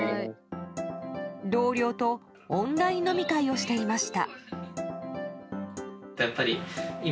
同僚とオンライン飲み会をしていました。